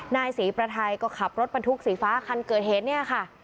นายศรีประไทยก็ขับรถบรรทุกสีฟ้าคันเกิดเหตุเนี่ยค่ะ